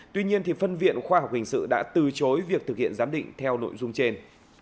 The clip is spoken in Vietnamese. tuy nhiên phân viện khoa học hình sự đã từ chối việc thực hiện giám định theo nội dung trên